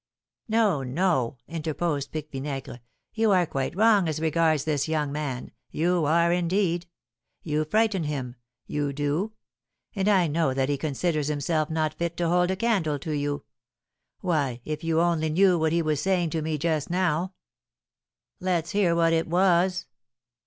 "No, no!" interposed Pique Vinaigre; "you are quite wrong as regards this young man you are, indeed. You frighten him you do; and I know that he considers himself not fit to hold a candle to you. Why, if you only knew what he was saying to me just now " "Let's hear what it was!"